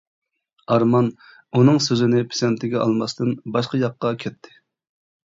ئارمان ئۇنىڭ سۆزىنى پىسەنتىگە ئالماستىن باشقا ياققا كەتتى.